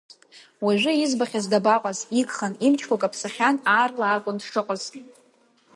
Уажәы избахьаз дабаҟаз, игхан, имчқәа каԥсахьан, аарла акәын дшыҟаз.